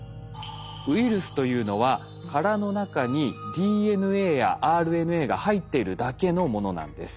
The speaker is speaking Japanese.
ウイルスというのは殻の中にＤＮＡやＲＮＡが入っているだけのものなんです。